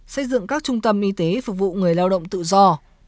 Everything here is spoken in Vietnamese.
xây dựng các trung tâm y tế phục vụ người lao động tự do